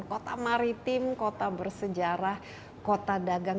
kota maritim kota bersejarah kota dagang